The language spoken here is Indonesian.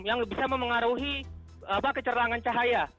yang bisa memengaruhi kecerlangan cahaya